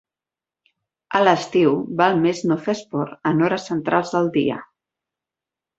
A l'estiu val més no fer esport en hores centrals del dia.